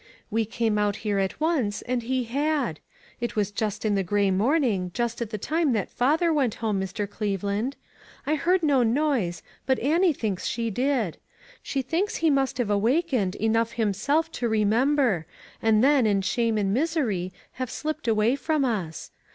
We came out here at once and he had. It was just in the gray morning, just at the time that father went home, Mr. Cleve land. I heard no noise, but Annie thinks she did. She thinks he must have awakened, enough himself to remember, and then, iu ghame and misery, have slipped away from us.'